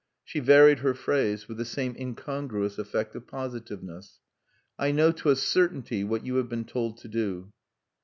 She varied her phrase, with the same incongruous effect of positiveness. "I know to a certainty what you have been told to do."